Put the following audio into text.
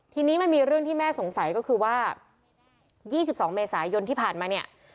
ทีนี้มันมีเรื่องที่แม่สงสัยก็คือว่า๒๒เมษายนที่ผ่านมาเนี่ย